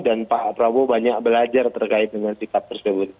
dan pak prabowo banyak belajar terkait dengan sikap tersebut